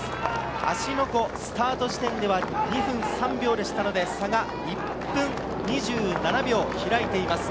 芦ノ湖スタート地点では２分３秒でしたので、差が１分２７秒、開いています。